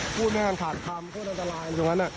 พูดไม่ง่างขาดคำพูดอันตราย